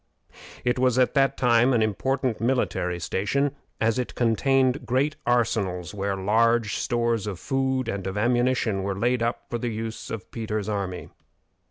It was at that time an important military station, as it contained great arsenals where large stores of food and of ammunition were laid up for the use of Peter's army.